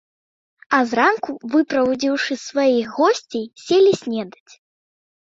А зранку, выправадзіўшы сваіх госцей, селі снедаць.